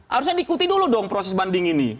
harusnya diikuti dulu dong proses banding ini